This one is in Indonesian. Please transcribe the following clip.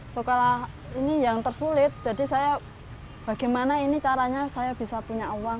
sekolah ini yang tersulit jadi saya bagaimana ini caranya saya bisa punya uang